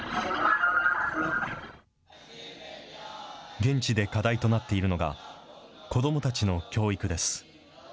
現地で課題となっているのが、子どもたちの教育です。